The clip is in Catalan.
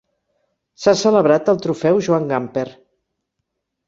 S'ha celebrat el trofeu Joan Gamper.